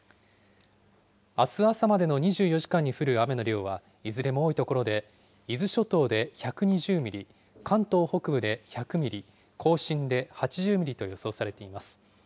あす朝までの２４時間に降る雨の量は、いずれも多い所で、伊豆諸島で１２０ミリ、関東北部で１００ミリ、甲信で８０ミリと予想されています。